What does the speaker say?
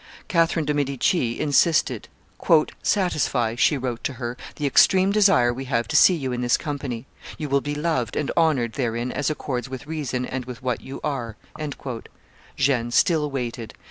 Catherine de' Medici insisted. "Satisfy," she wrote to her, "the extreme desire we have to see you in this company; you will be loved and honored therein as accords with reason and with what you are." Jeanne still waited.